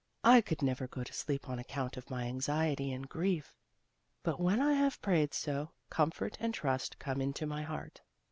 I could never go to sleep on account of my anxiety and grief; but when I have prayed so, comfort and trust come into my heart."